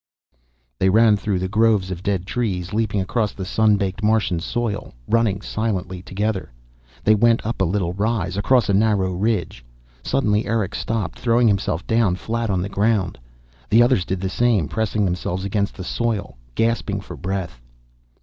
They ran through the groves of dead trees, leaping across the sun baked Martian soil, running silently together. They went up a little rise, across a narrow ridge. Suddenly Erick stopped, throwing himself down flat on the ground. The others did the same, pressing themselves against the soil, gasping for breath.